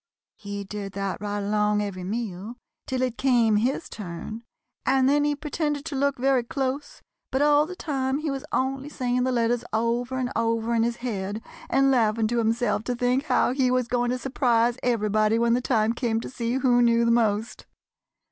He did that right along every meal till it came his turn, and then he pretended to look very close, but all the time he was only saying the letters over and over in his head and laughing to himself to think how he was going to surprise everybody when the time came to see who knew the most.